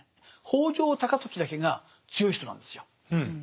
北条高時だけが強い人なんですよ。